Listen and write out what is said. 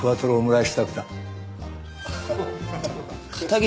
はい。